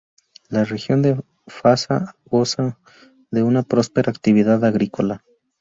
La región de Fasa goza de una próspera actividad agrícola.